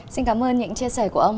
xin cảm ơn những chia sẻ của ông